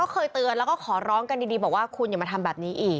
เคยเตือนแล้วก็ขอร้องกันดีบอกว่าคุณอย่ามาทำแบบนี้อีก